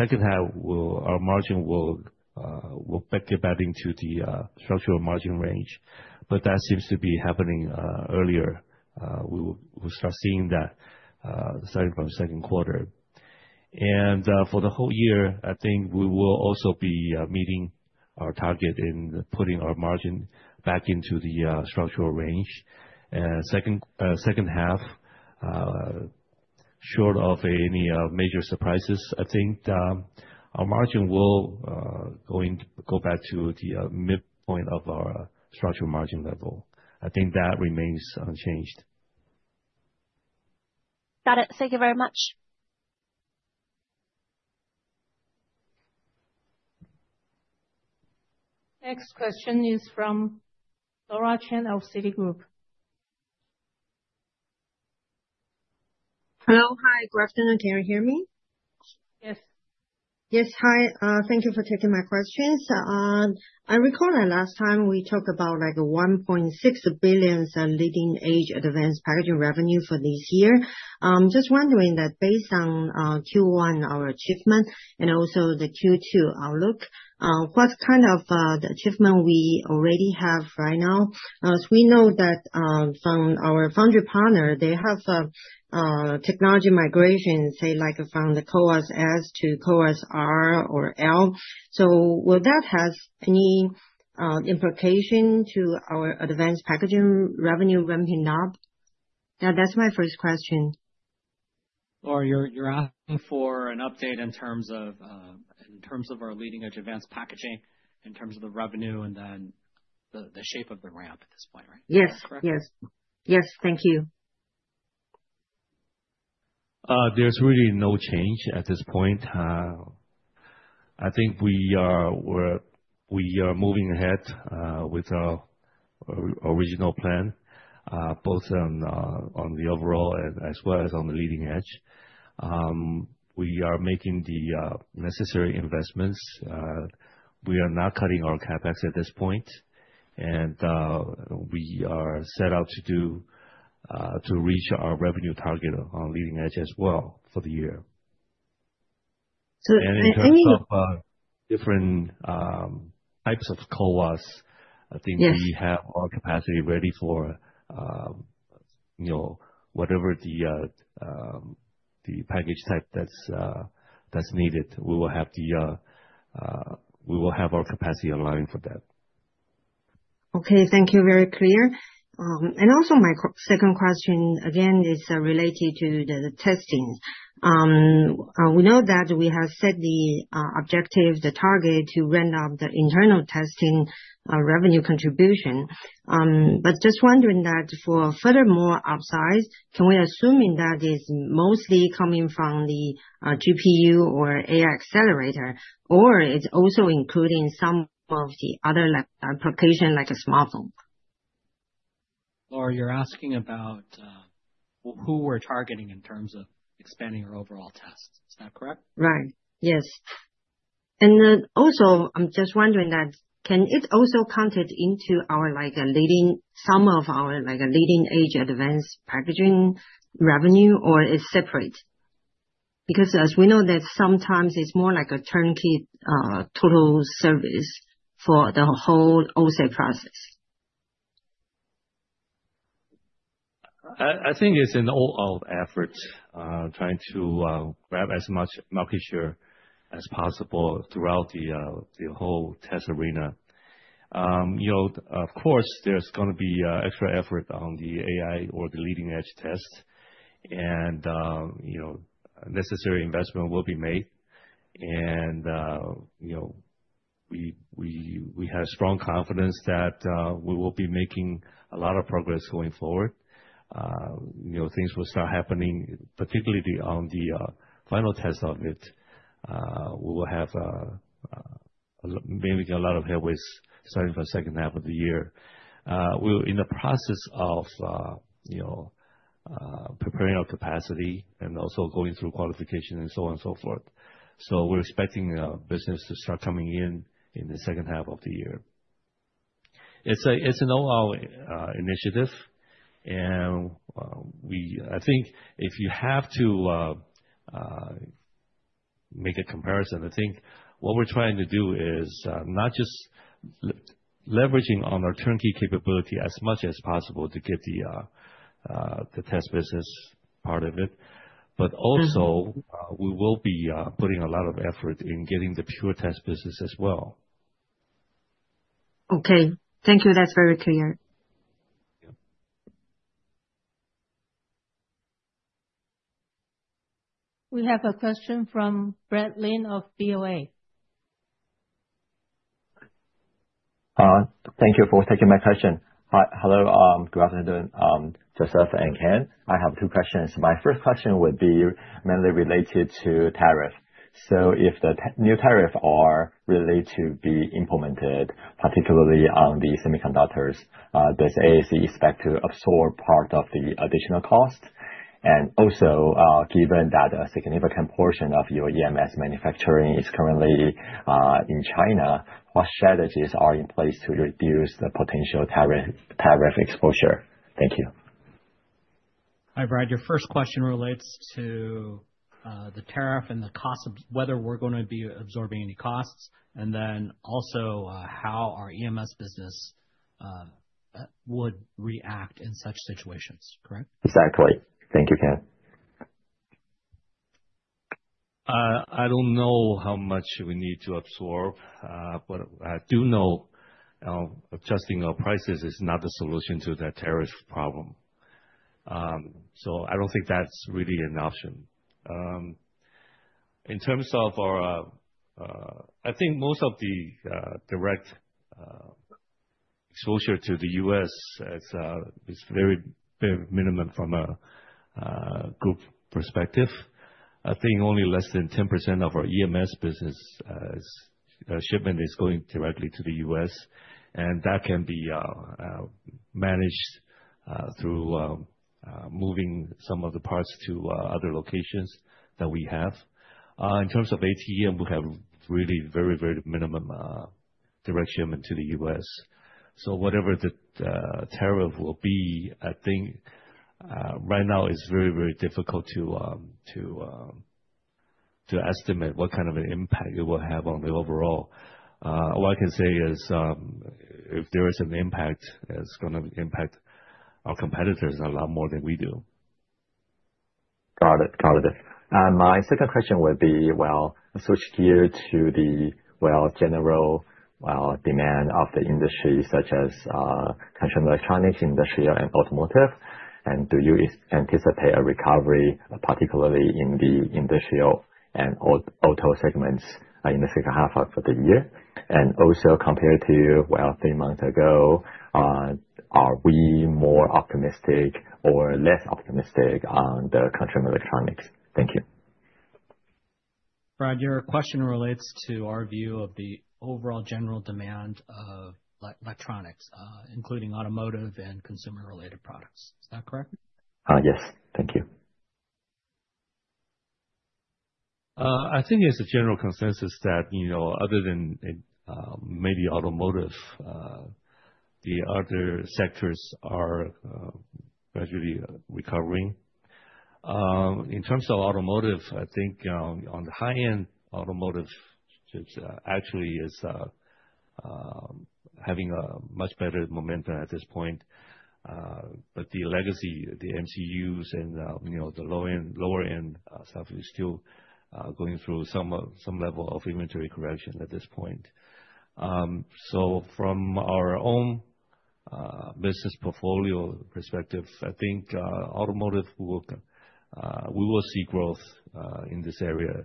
Speaker 4: second half, our margin will get back into the structural margin range. That seems to be happening earlier. We will start seeing that starting from second quarter. For the whole year, I think we will also be meeting our target in putting our margin back into the structural range. Second half, short of any major surprises, I think our margin will go back to the midpoint of our structural margin level. I think that remains unchanged.
Speaker 7: Got it. Thank you very much.
Speaker 2: Next question is from Laura Chen of Citigroup.
Speaker 8: Hello. Hi. Good afternoon. Can you hear me?
Speaker 2: Yes.
Speaker 8: Yes. Hi. Thank you for taking my questions. I recall last time we talked about $1.6 billion leading-edge advanced packaging revenue for this year. Just wondering that based on Q1, our achievement, and also the Q2 outlook, what kind of achievement we already have right now? We know that from our foundry partner, they have technology migration, say, from the CoWoS-S to CoWoS-R/L. Will that have any implication to our advanced packaging revenue ramping up? That's my first question.
Speaker 1: Laura, you're asking for an update in terms of our leading-edge advanced packaging, in terms of the revenue, and then the shape of the ramp at this point, right?
Speaker 8: Yes. Yes. Yes. Thank you.
Speaker 4: There's really no change at this point. I think we are moving ahead with our original plan, both on the overall as well as on the leading edge. We are making the necessary investments. We are not cutting our CapEx at this point. We are set out to reach our revenue target on leading edge as well for the year. In terms of different types of CoWoS, I think we have our capacity ready for whatever the package type that's needed. We will have our capacity aligned for that.
Speaker 8: Okay. Thank you. Very clear. Also, my second question, again, is related to the testing. We know that we have set the objective, the target to ramp up the internal testing revenue contribution. Just wondering that for furthermore upsides, can we assume that it's mostly coming from the GPU or AI accelerator, or it's also including some of the other applications like a smartphone?
Speaker 1: Laura, you're asking about who we're targeting in terms of expanding our overall tests. Is that correct?
Speaker 8: Right. Yes. I am just wondering that can it also count into some of our leading-edge advanced packaging revenue, or it is separate? Because as we know, that sometimes it is more like a turnkey total service for the whole OSA process.
Speaker 4: I think it is an all-out effort trying to grab as much market share as possible throughout the whole test arena. Of course, there is going to be extra effort on the AI or the leading-edge test. Necessary investment will be made. We have strong confidence that we will be making a lot of progress going forward. Things will start happening, particularly on the final test of it. We will have maybe a lot of headways starting from second half of the year. We are in the process of preparing our capacity and also going through qualification and so on and so forth. We are expecting business to start coming in in the second half of the year. It is an all-out initiative. I think if you have to make a comparison, what we are trying to do is not just leveraging on our turnkey capability as much as possible to get the test business part of it, but also we will be putting a lot of effort in getting the pure test business as well.
Speaker 8: Okay. Thank you. That is very clear.
Speaker 2: We have a question from Brad Lin of BOA.
Speaker 9: Thank you for taking my question. Hello. Good afternoon, Joseph and Ken. I have two questions. My first question would be mainly related to tariff. If the new tariffs are really to be implemented, particularly on the semiconductors, does ASE expect to absorb part of the additional cost? Also, given that a significant portion of your EMS manufacturing is currently in China, what strategies are in place to reduce the potential tariff exposure? Thank you.
Speaker 1: Hi, Brad. Your first question relates to the tariff and whether we're going to be absorbing any costs, and then also how our EMS business would react in such situations. Correct?
Speaker 9: Exactly. Thank you, Ken.
Speaker 4: I don't know how much we need to absorb. I do know adjusting our prices is not the solution to the tariff problem. I don't think that's really an option. In terms of our, I think most of the direct exposure to the U.S. is very minimal from a group perspective. I think only less than 10% of our EMS shipment is going directly to the U.S., and that can be managed through moving some of the parts to other locations that we have. In terms of ATM, we have really very, very minimum direct shipment to the U.S. So whatever the tariff will be, I think right now it's very, very difficult to estimate what kind of an impact it will have on the overall. All I can say is if there is an impact, it's going to impact our competitors a lot more than we do.
Speaker 9: Got it. Got it. My second question would be, switch gear to the general demand of the industry, such as consumer electronics, industrial, and automotive. Do you anticipate a recovery, particularly in the industrial and auto segments in the second half of the year? Also, compared to three months ago, are we more optimistic or less optimistic on the consumer electronics? Thank you.
Speaker 1: Brad, your question relates to our view of the overall general demand of electronics, including automotive and consumer-related products. Is that correct?
Speaker 9: Yes. Thank you.
Speaker 4: I think there's a general consensus that other than maybe automotive, the other sectors are gradually recovering. In terms of automotive, I think on the high-end, automotive actually is having a much better momentum at this point. The legacy, the MCUs and the lower-end stuff is still going through some level of inventory correction at this point. From our own business portfolio perspective, I think automotive, we will see growth in this area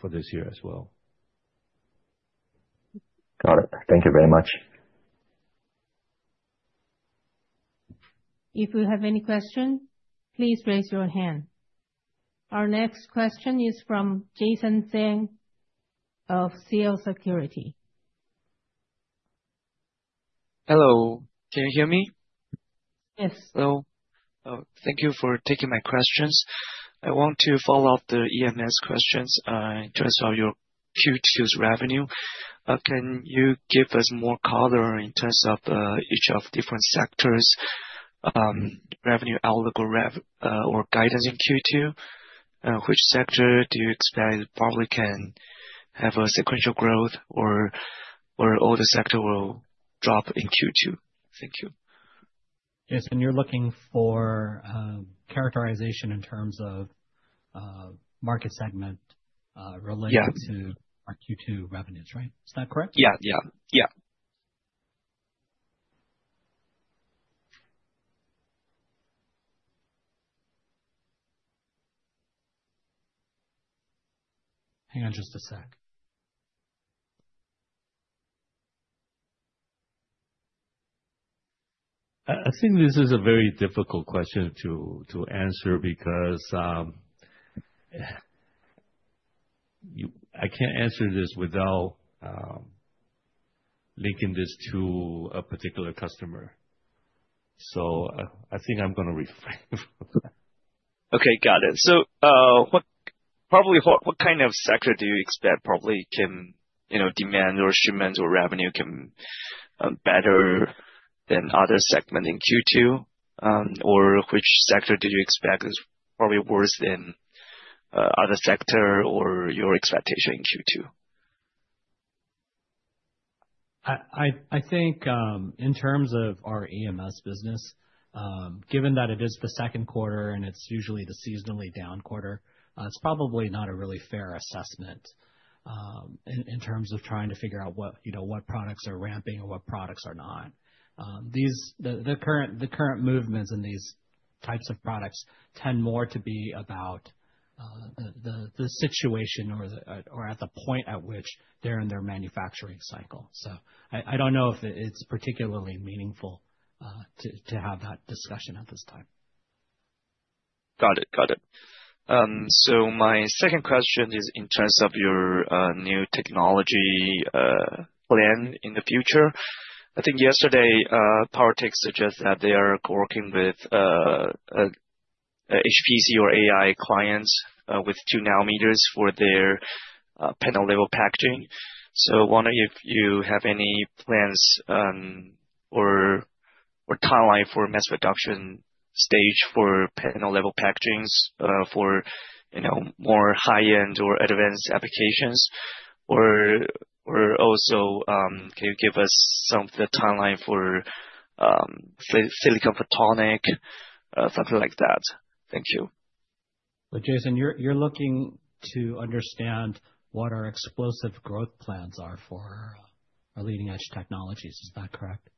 Speaker 4: for this year as well.
Speaker 9: Got it. Thank you very much.
Speaker 2: If you have any question, please raise your hand. Our next question is from Jason Tsang of CL Securities.
Speaker 10: Hello. Can you hear me?
Speaker 2: Yes.
Speaker 10: Hello. Thank you for taking my questions. I want to follow up the EMS questions in terms of your Q2's revenue. Can you give us more color in terms of each of different sectors' revenue outlook or guidance in Q2? Which sector do you expect probably can have a sequential growth, or will the sector drop in Q2? Thank you.
Speaker 1: Yes. And you're looking for characterization in terms of market segment related to our Q2 revenues, right? Is that correct?
Speaker 10: Yeah. Yeah.
Speaker 1: Hang on just a sec.
Speaker 4: I think this is a very difficult question to answer because I can't answer this without linking this to a particular customer. I think I'm going to refrain.
Speaker 10: Okay. Got it. Probably what kind of sector do you expect probably can demand or shipments or revenue can better than other segment in Q2? Which sector did you expect is probably worse than other sector or your expectation in Q2?
Speaker 1: I think in terms of our EMS business, given that it is the second quarter and it's usually the seasonally down quarter, it's probably not a really fair assessment in terms of trying to figure out what products are ramping or what products are not. The current movements in these types of products tend more to be about the situation or at the point at which they're in their manufacturing cycle. I don't know if it's particularly meaningful to have that discussion at this time.
Speaker 10: Got it. Got it. My second question is in terms of your new technology plan in the future. I think yesterday, Powertech suggested that they are working with HPC or AI clients with two nanometers for their panel-level packaging. I wonder if you have any plans or timeline for mass production stage for panel-level packaging for more high-end or advanced applications. Or also, can you give us some of the timeline for silicon photonic, something like that? Thank you.
Speaker 1: Jason, you're looking to understand what our explosive growth plans are for our leading-edge technologies. Is that correct?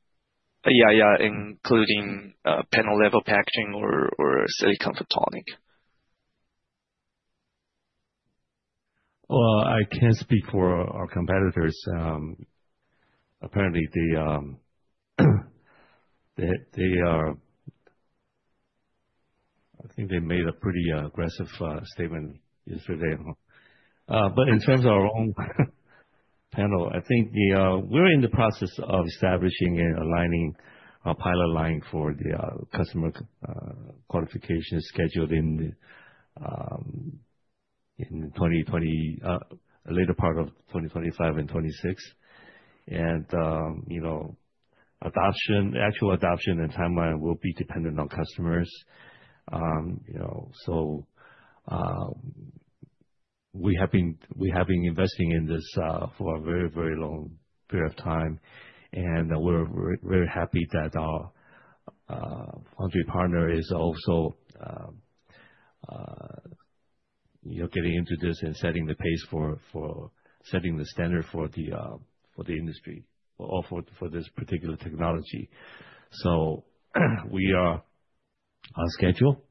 Speaker 10: Yeah. Yeah. Including panel-level packaging or silicon photonic.
Speaker 4: I can't speak for our competitors. Apparently, I think they made a pretty aggressive statement yesterday. In terms of our own panel, I think we're in the process of establishing and aligning our pilot line for the customer qualification scheduled in the later part of 2025 and 2026. Actual adoption and timeline will be dependent on customers. We have been investing in this for a very, very long period of time. We're very happy that our foundry partner is also getting into this and setting the pace for setting the standard for the industry or for this particular technology. We are on schedule,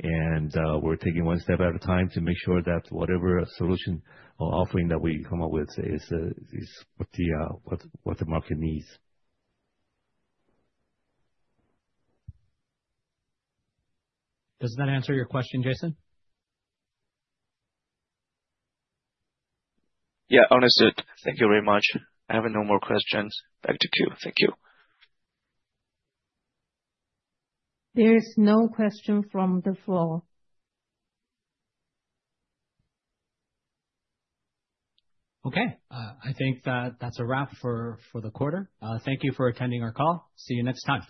Speaker 4: and we're taking one step at a time to make sure that whatever solution or offering that we come up with is what the market needs.
Speaker 1: Does that answer your question, Jason?
Speaker 10: Yeah. Understood. Thank you very much. I have no more questions. Back to you. Thank you.
Speaker 2: There's no question from the floor.
Speaker 1: Okay. I think that's a wrap for the quarter. Thank you for attending our call. See you next time.